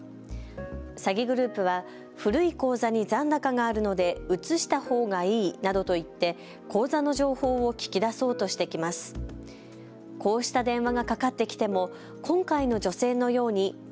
詐欺グループは古い口座に残高があるので移したほうがいいなどといって口座の情報を聞き出そうとしてきます。